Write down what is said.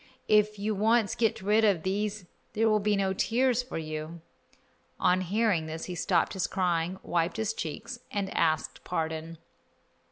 If you once get rid of these there will be no tears for you." On hearing this he stopped his crying, wiped his cheeks, and asked pardon.